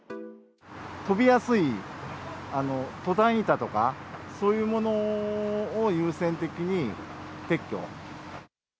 飛びやすいトタン板とか、そういうものを優先的に撤去。